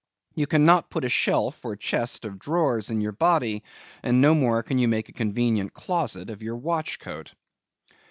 You cannot put a shelf or chest of drawers in your body, and no more can you make a convenient closet of your watch coat.